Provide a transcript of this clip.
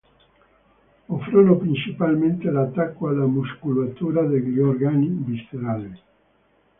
Offrono principalmente l'attacco alla muscolatura degli organi viscerali.